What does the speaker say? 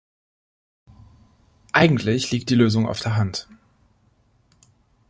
Eigentlich liegt die Lösung auf der Hand.